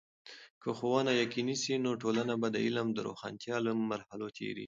که ښوونه یقيني سي، نو ټولنه به د علم د روښانتیا له مرحلو تیریږي.